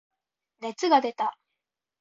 熱が出た。